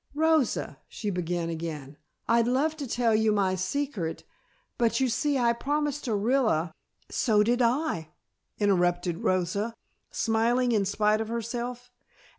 "Rosa," she began again, "I'd love to tell you my secret, but you see I promised Orilla " "So did I," interrupted Rosa, smiling in spite of herself.